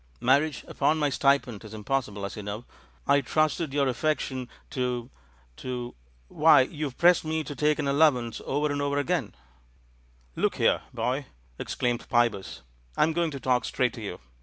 Marriage upon my stipend is impossible, as you know. I trusted to your affection to — to — Why, you've pressed me to take an allowance over and over again 1" "Look here, boy," exclaimed Pybus, "I'm go ing to talk straight to you!